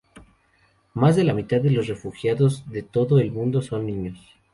Más de la mitad de los refugiados de todo el mundo son niños.